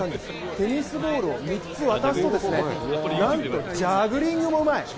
テニスボールを３つ渡すとなんとジャグリングもうまい。